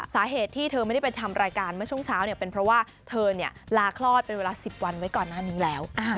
สาเหตุที่เธอไม่ได้ไปทำรายการเมื่อช่วงเช้าเนี่ยเป็นเพราะว่าเธอลาคลอดเป็นเวลา๑๐วันไว้ก่อนหน้านี้แล้ว